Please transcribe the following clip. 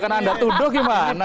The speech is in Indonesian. karena anda tuduh bagaimana